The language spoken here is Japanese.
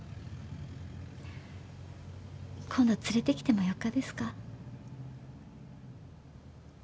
今度連れてきてもよかですか？